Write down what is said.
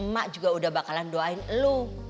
mak juga udah bakalan doain lu